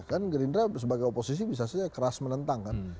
kan gerindra sebagai oposisi bisa saja keras menentang kan